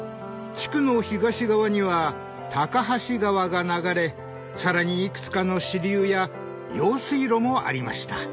地区の東側には高梁川が流れ更にいくつかの支流や用水路もありました。